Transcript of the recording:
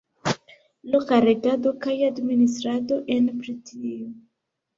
Loka regado kaj administrado en Britio.